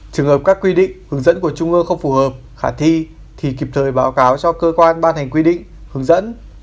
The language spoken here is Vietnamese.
trường hợp các quy định hướng dẫn của trung ương không phù hợp khả thi thì kịp thời báo cáo cho cơ quan ban hành quy định hướng dẫn